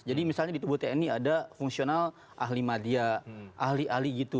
jadi misalnya di tubuh tni ada fungsional ahli media ahli ahli gitu